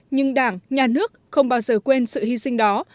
nhưng đảng nhà nước không bao giờ quên sự hy sinh đó